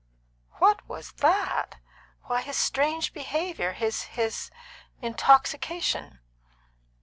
"What was that? Why, his strange behaviour his his intoxication."